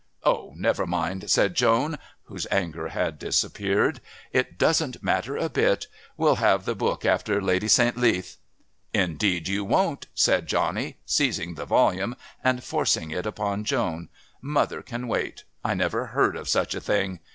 "Oh, never mind," said Joan whose anger had disappeared. "It doesn't matter a bit. We'll have the book after Lady St. Leath." "Indeed you won't," said Johnny, seizing the volume and forcing it upon Joan. "Mother can wait. I never heard of such a thing."